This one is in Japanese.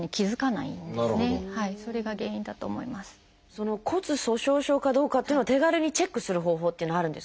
その骨粗しょう症かどうかっていうのは手軽にチェックする方法っていうのはあるんですか？